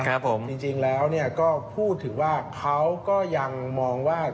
ครับผมจริงแล้วเนี่ยก็พูดถึงว่าเขาก็ยังมองว่า